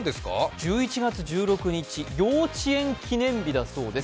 １１月１６日、幼稚園記念日だそうです。